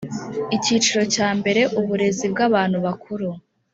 Icyiciro cyambere Uburezi bw abantu bakuru